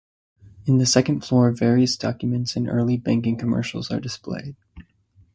In the second floor various documents and early banking commercials are displayed.